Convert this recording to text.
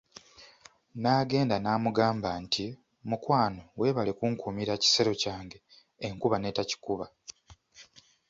N'agenda n'amugamba nti, mukwano weebale kunkuumira kisero kyange enkuba n'etekikuba.